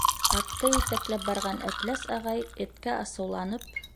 Атты етәкләп барған Әпләс ағай эткә асыуланып: